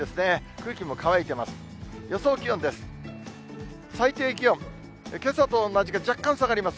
空気も乾いています。